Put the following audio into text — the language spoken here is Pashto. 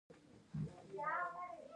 ایا زه باید په کلي کې اوسم؟